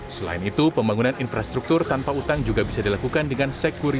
selain itu pembangunan infrastruktur tanpa utang juga bisa dilakukan dengan sekuritisasi proyek tersebut